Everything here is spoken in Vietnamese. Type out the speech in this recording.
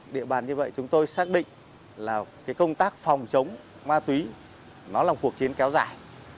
địa bàn như vậy chúng tôi xác định là công tác phòng chống ma túy nó là một cuộc chiến kéo dài